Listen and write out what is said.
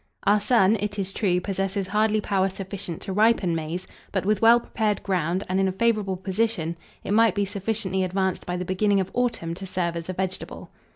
Our sun, it is true, possesses hardly power sufficient to ripen maize; but, with well prepared ground, and in a favourable position, it might be sufficiently advanced by the beginning of autumn to serve as a vegetable.